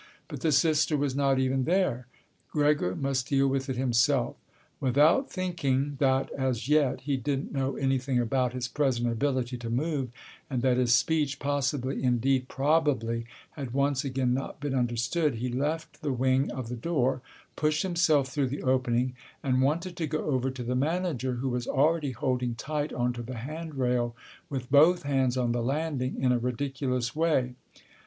But the sister was not even there. Gregor must deal with it himself. Without thinking that as yet he didn't know anything about his present ability to move and that his speech possibly—indeed probably—had once again not been understood, he left the wing of the door, pushed himself through the opening, and wanted to go over to the manager, who was already holding tight onto the handrail with both hands on the landing in a ridiculous way.